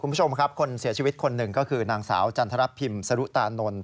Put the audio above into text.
คุณผู้ชมครับคนเสียชีวิตคนหนึ่งก็คือนางสาวจันทรพิมสรุตานนท์